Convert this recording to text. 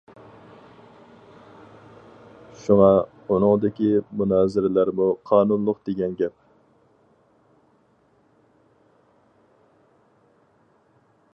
شۇڭا، ئۇنىڭدىكى مۇنازىرىلەرمۇ قانۇنلۇق دېگەن گەپ!